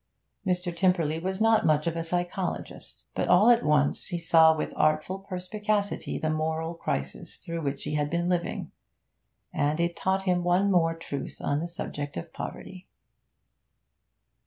Mr. Tymperley was not much of a psychologist. But all at once he saw with awful perspicacity the moral crisis through which he had been living. And it taught him one more truth on the subject of poverty.